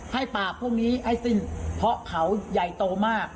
ให้ปราบพวกนี้ให้สิ้นเพราะเขาใหญ่โตมาก